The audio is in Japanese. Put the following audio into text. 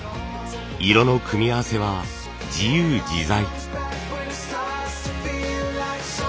色の組み合わせは自由自在。